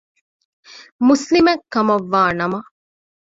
މުސްލިމެއްކަމަށްވާ ނަމަ